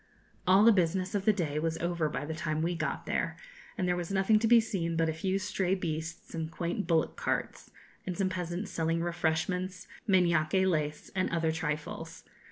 All the business of the day was over by the time we got there, and there was nothing to be seen but a few stray beasts and quaint bullock carts, and some peasants selling refreshments, miñaque lace, and other trifles.